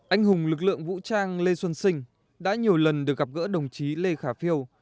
anh hùng lực lượng vũ trang lê xuân sinh đã nhiều lần được gặp gỡ đồng chí lê khả phiêu